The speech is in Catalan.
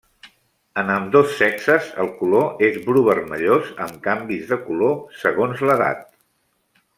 En ambdós sexes el color és bru vermellós amb canvis de color segons l'edat.